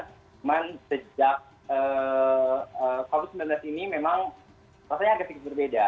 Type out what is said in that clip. cuman sejak covid sembilan belas ini memang rasanya agak sedikit berbeda